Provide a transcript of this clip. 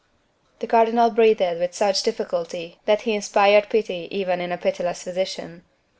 The cardinal breathed with such difficulty that he inspired pity even in a pitiless physician.